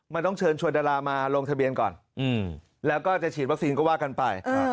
มันต้องเชิญชวนดารามาลงทะเบียนก่อนแล้วก็จะฉีดวัคซีนก็ว่ากันไป